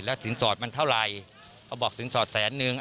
สินสอดมันเท่าไรเขาบอกสินสอดแสนนึง